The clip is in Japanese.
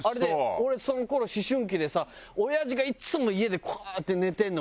俺その頃思春期でさ親父がいつも家でこうやって寝てるの。